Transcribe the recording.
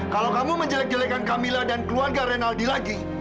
kalau kamu menjelek jelekan kamila dan keluarga rinaldi lagi